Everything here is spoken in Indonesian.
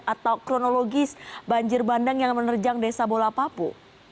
atau kronologis banjir bandang yang menerjang desa bola papu